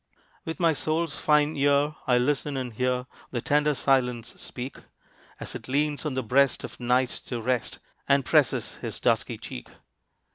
With my soul's fine ear I listen and hear The tender Silence speak, As it leans on the breast of Night to rest, And presses his dusky cheek.